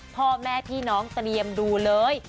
พ่อแม่พี่น้องเตรียมดูเลย